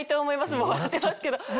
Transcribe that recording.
もう笑ってますけど。